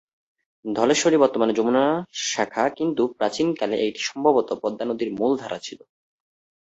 ধলেশ্বরী বর্তমানে যমুনার শাখা, কিন্তু প্রাচীন কালে এটি সম্ভবত পদ্মা নদীর মূল ধারা ছিলো।